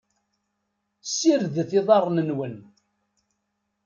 Ssiredet iḍarren-nwen.